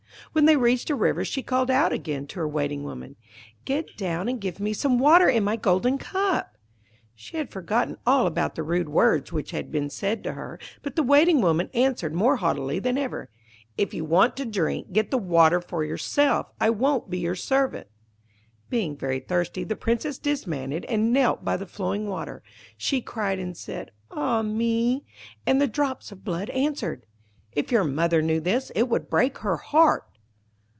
When they reached a river she called out again to her Waiting woman, 'Get down, and give me some water in my golden cup!' She had forgotten all about the rude words which had been said to her. But the Waiting woman answered more haughtily than ever, 'If you want to drink, get the water for yourself. I won't be your servant.' Being very thirsty, the Princess dismounted, and knelt by the flowing water. She cried, and said, 'Ah me!' and the drops of blood answered, 'If your mother knew this it would break her heart.'